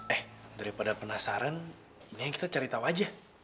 eh daripada penasaran ini yang kita cari tahu aja